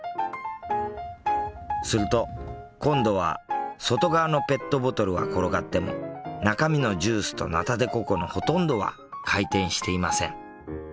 すると今度は外側のペットボトルは転がっても中身のジュースとナタデココのほとんどは回転していません。